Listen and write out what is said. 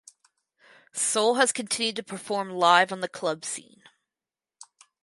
Soul has continued to perform live on the club scene.